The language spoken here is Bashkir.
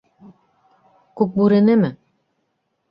Күкбүренеме?